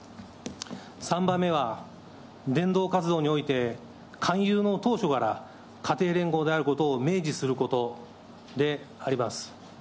３番目は、伝道活動において、勧誘の当初から、家庭連合であることを明示することであります。